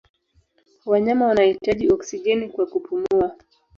Wanyama wanahitaji oksijeni kwa kupumua.